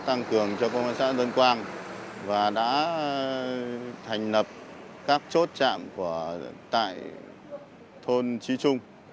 tăng cường cho công an xã tân quang và đã thành lập các chốt chạm tại thôn trí trung